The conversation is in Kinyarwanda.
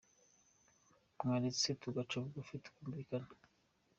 mwaretse tugaca bugufi , tukumvikana ?